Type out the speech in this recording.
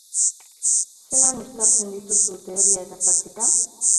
Zelan uztartzen dituzu teoria eta praktika?